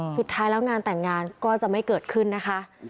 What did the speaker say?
สุดท้ายแล้วงานแต่งงานก็จะไม่เกิดขึ้นนะคะ